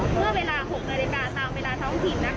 เมื่อเวลา๖นาทีเต็มเวลาเท่าถิดนะคะ